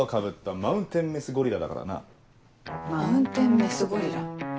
マウンテンメスゴリラ。